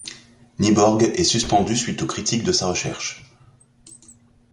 Nyborg est suspendu suite aux critiques de sa recherche.